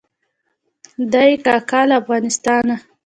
دی کاکا له افغانستانه.